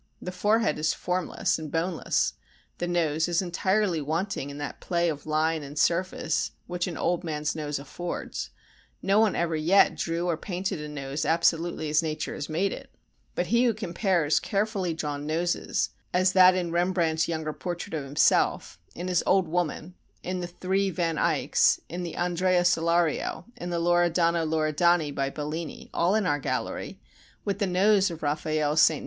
The forehead is formless and boneless, the nose is entirely wanting in that play of line and surface which an old man's nose affords; no one ever yet drew or painted a nose absolutely as nature has made it, but he who compares carefully drawn noses, as that in Rembrandt's younger portrait of himself, in his old woman, in the three Van Eycks, in the Andrea Solario, in the Loredano Loredani by Bellini, all in our gallery, with the nose of Raffaelle's S.